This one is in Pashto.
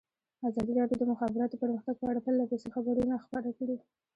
ازادي راډیو د د مخابراتو پرمختګ په اړه پرله پسې خبرونه خپاره کړي.